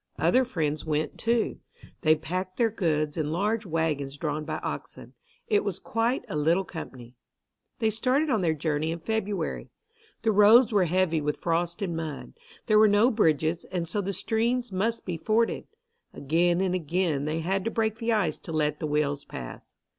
Other friends went, too. They packed their goods in large waggons drawn by oxen. It was quite a little company. They started on their journey in February. The roads were heavy with frost and mud. There were no bridges, and so the streams must be forded. Again and again they had to break the ice to let the wheels pass.